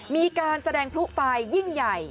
มีการแสดงพลุไฟยิ่งใหญ่